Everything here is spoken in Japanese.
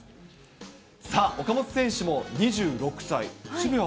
さあ、岡本選手も２６歳。